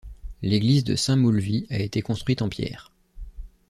L'église de Saint-Maulvis a été construite en pierre.